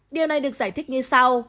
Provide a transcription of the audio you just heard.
điều này được giải thích như sau